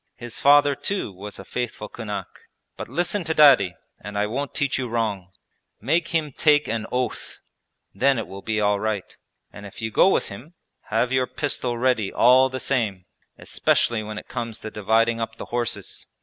His father too was a faithful kunak. But listen to Daddy and I won't teach you wrong: make him take an oath, then it will be all right. And if you go with him, have your pistol ready all the same, especially when it comes to dividing up the horses.